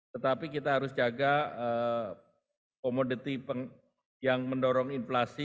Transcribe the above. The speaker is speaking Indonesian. tetapi kita harus jaga komoditi yang mendorong inflasi